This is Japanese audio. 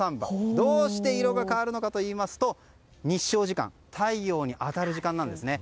どうして色が変わるのかといいますと日照時間太陽に当たる時間なんですね。